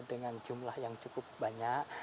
dengan jumlah yang cukup banyak